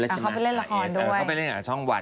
เขาไปเล่นละครช่องวัน